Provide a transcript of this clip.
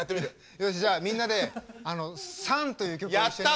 よしじゃあみんなで「ＳＵＮ」という曲を一緒に。